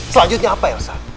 selanjutnya apa elsa